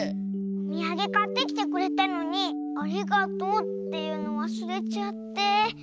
おみやげかってきてくれたのに「ありがとう」っていうのわすれちゃって。